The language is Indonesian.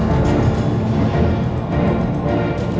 untuk meluang kamu